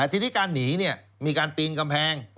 ที่นี่การหนีเนี่ยมีการปีงกำแพง